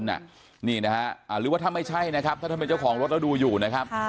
หรือว่าถ้าไม่ใช่นะครับถ้าเป็นเจ้าของรถแล้วดูอยู่นะครับ